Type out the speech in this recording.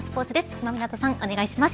今湊さんお願いします。